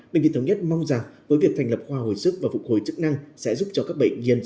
bệnh viện thống nhất mong rằng với việc thành lập khoa hồi sức và phục hồi chức năng sẽ giúp cho các bệnh nhân